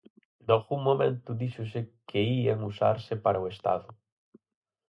Nalgún momento díxose que ían usarse para o Estado.